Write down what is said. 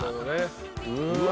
うわ。